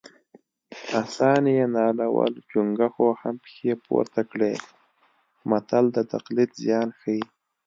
اسان یې نالول چونګښو هم پښې پورته کړې متل د تقلید زیان ښيي